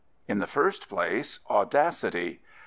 In the first place, audacity.